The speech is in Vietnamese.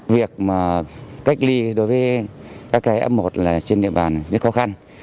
việc mà cách ly đối với các cái f một là trên địa bàn rất khó khăn